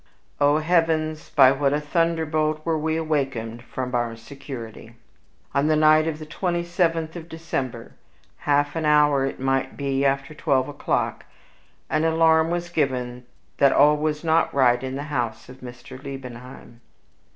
O heavens! by what a thunderbolt were we awakened from our security! On the night of the twenty seventh of December, half an hour, it might be, after twelve o'clock, an alarm was given that all was not right in the house of Mr. Liebenheim.